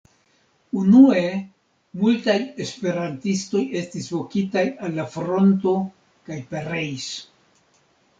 Unue, multaj esperantistoj estis vokitaj al la fronto kaj pereis.